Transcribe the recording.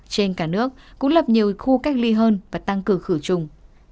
trên cả nước cũng lập nhiều khu cách ly hơn và tăng cử khử chung